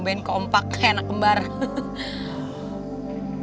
tentang operasi peringa disyarikat dari saltunia